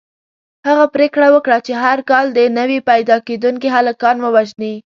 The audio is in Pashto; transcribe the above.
هغه پرېکړه وکړه چې هر کال دې نوي پیدا کېدونکي هلکان ووژني.